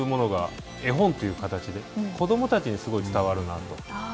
そういうものが絵本という形で、子どもたちにすごい伝わるなと。